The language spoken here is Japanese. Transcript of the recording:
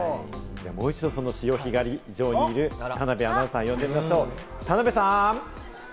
もう一度、その潮干狩り場にいる田辺アナウンサーを呼んでみましょう、田辺さん。